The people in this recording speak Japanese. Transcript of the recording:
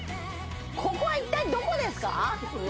ここは一体どこですか？